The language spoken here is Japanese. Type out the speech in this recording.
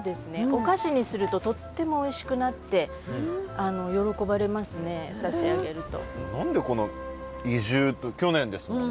お菓子にするととってもおいしくなって喜ばれますね差し上げると。